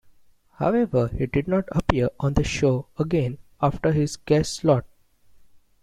However, he did not appear on the show again after his guest slot.